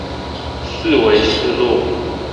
四維四路